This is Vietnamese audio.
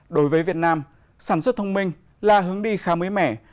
đối với việt nam sản xuất thông minh là hướng đi khá mới mẻ